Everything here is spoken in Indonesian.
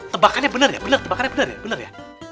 tebakannya bener ya